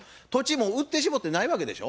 もう売ってしもうてないわけでしょ。